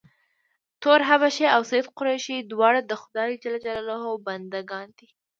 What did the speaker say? تور حبشي او سید قریشي دواړه د خدای ج بنده ګان دي.